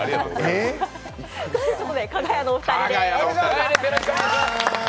ということで、かが屋のお二人です。